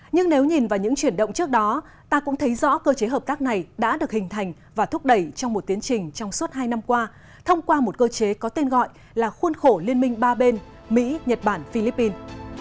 nhưng nếu nhìn vào những chuyển động trước đó ta cũng thấy rõ cơ chế hợp tác này đã được hình thành và thúc đẩy trong một tiến trình trong suốt hai năm qua thông qua một cơ chế có tên gọi là khuôn khổ liên minh ba bên mỹ nhật bản philippine